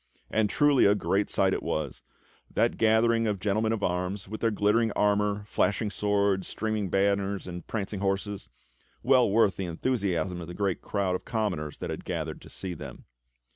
And truly, a great sight it was — that gathering of gentlemen of arms, with their glittering armor, flashing swords, streaming banners, and prancing horses — well worth the enthusiasm of the great crowd of commoners that had gathered to see them.